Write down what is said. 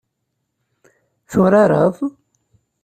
Turareḍ?